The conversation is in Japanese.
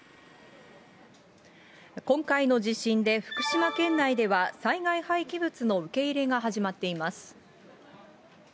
今回の地震で福島県内では、災害廃棄物の受け入れが始まっています。